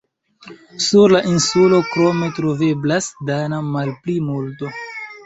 Sur la insulo krome troveblas dana malplimulto.